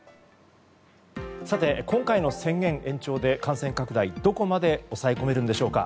さて、今回の宣言延長で感染拡大はどこまで抑え込めるんでしょうか。